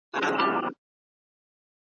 په لقمان اعتبار نسته په درمان اعتبار نسته `